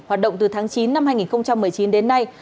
hoạt động từ tháng chín năm hai nghìn một mươi chín đến nay